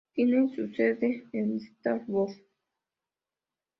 Tiene su sede en Stafford.